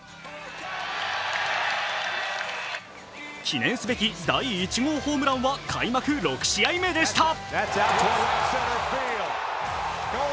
記念すべき第１号ホームランは開幕６試合目でした。